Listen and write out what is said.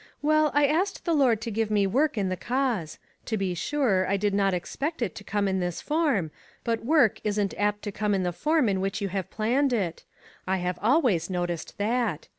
Well, I asked the Lord to give me work in the cause. To be sure, I did not ex pect it to come in this form, but work isn't apt to come in the form in which you have planned it; I have always noticed that.